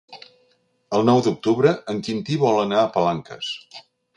El nou d'octubre en Quintí vol anar a Palanques.